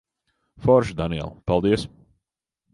Forši, Daniel. Paldies.